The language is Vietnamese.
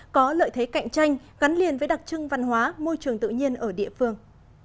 có lợi thế cạnh tranh gắn liền với đặc trưng văn hóa môi trường tự nhiên ở địa phương